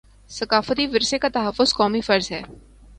ثقافتی ورثے کا تحفظ قومی فرض ہے